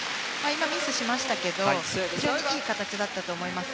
今、ミスしましたがいい形だったと思います。